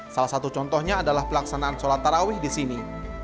salah satu contohnya adalah pelaksanaan sholat tarawih di sini